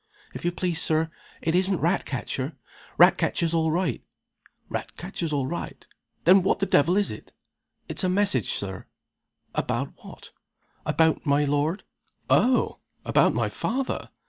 "If you please, Sir, it isn't Ratcatcher. Ratcatcher's all right." "Ratcatcher's all right? Then what the devil is it?" "It's a message, Sir." "About what?" "About my lord." "Oh! About my father?"